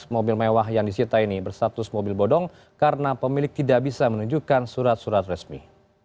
tujuh belas mobil mewah yang disita ini bersatus mobil bodong karena pemilik tidak bisa menunjukkan surat surat resmi